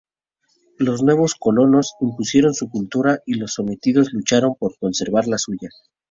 Los nuevos colonos impusieron su cultura y los sometidos lucharon por conservar la suya.